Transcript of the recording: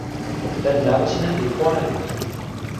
len lawa sina li pona lukin.